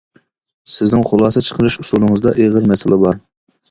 سىزنىڭ خۇلاسە چىقىرىش ئۇسۇلىڭىزدا ئېغىر مەسىلە بار.